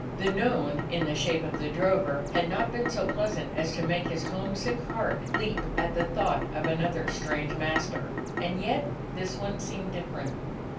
The known, in the shape of the drover, had not been so pleasant as to make his homesick heart leap at the thought of another strange master. And yet this one seemed different.